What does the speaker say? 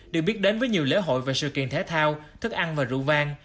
được biết đến với nhiều lễ hội về sự kiện thể thao thức ăn và rượu vang